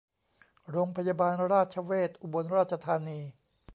โรงพยาบาลราชเวชอุบลราชธานี